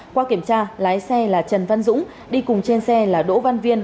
qua kiểm tra lái xe là trần văn dũng đi cùng trên xe là đỗ văn viên